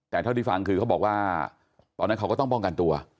แต่เท่าที่ฟังคือเขาบอกว่าตอนนั้นเขาก็ต้องป้องกันตัว